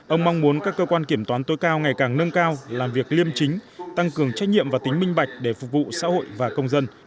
ông mong muốn các cơ quan kiểm toán tối cao ngày càng nâng cao làm việc liêm chính tăng cường trách nhiệm và tính minh bạch để phục vụ xã hội và công dân